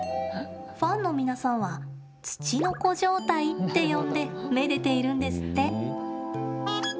ファンの皆さんはツチノコ状態って呼んでめでているんですって。